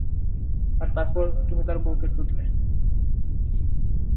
আর তারপর তুমি তার বউকে চুদলে।